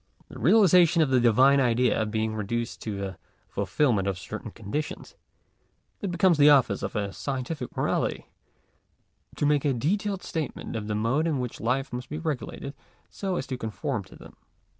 . §4. The realization of the Divine Idea being reduced to the ful filment of certain conditions, it becomes the office of a scientific morality, to make a detailed statement of the mode in which life must be regulated so as to conform to them.